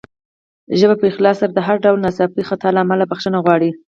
زه په اخلاص سره د هر ډول ناڅاپي خطا له امله بخښنه غواړم.